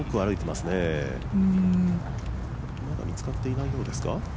まだ見つかっていないようですか？